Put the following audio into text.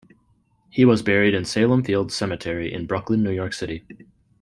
He was buried in Salem Fields Cemetery in Brooklyn, New York City.